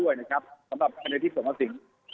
สำหรับกันในที่สมสิทธิ์